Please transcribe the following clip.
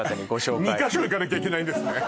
２カ所行かなきゃいけないんですね